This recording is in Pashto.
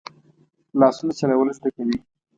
لاسونه چلول زده کوي